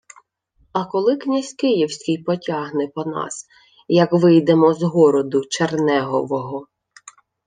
— А коли князь київський потягне по нас, як вийдемо з городу Чернегового?